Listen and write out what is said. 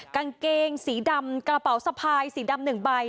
กางเกงสีดำกระเป๋าสะพายสีดำ๑ใบ